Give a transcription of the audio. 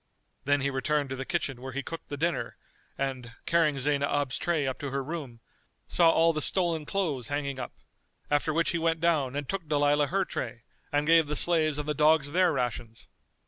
Then he returned to the kitchen where he cooked the dinner and, carrying Zaynab's tray up to her room, saw all the stolen clothes hanging up; after which he went down and took Dalilah her tray and gave the slaves and the dogs their rations.